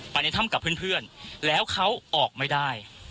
ไปในท่ำกับเพื่อนเพื่อนแล้วเขาออกไม่ได้